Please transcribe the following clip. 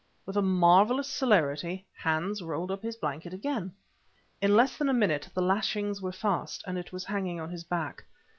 With a marvellous celerity Hans rolled up his blanket again. In less than a minute the lashings were fast and it was hanging on his back.